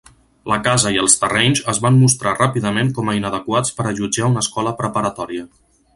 La casa i els terrenys es van mostrar ràpidament com a inadequats per allotjar una escola preparatòria.